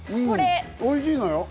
おいしいのよ。